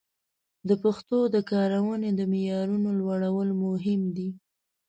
د پښتو د کارونې د معیارونو لوړول مهم دي.